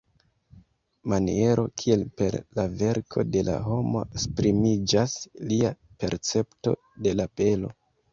Maniero kiel per la verko de la homo esprimiĝas lia percepto de la belo.